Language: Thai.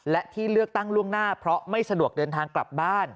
และที่เลือกตั้งล่วงหน้าเพราะไม่สะดวกเดินทางกลับบ้าน